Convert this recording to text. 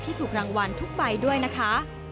ถูกรางวัลทุกใบด้วยนะคะ